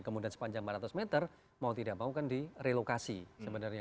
kemudian sepanjang empat ratus meter mau tidak mau kan direlokasi sebenarnya